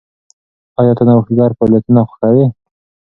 ایا ته نوښتګر فعالیتونه خوښوې؟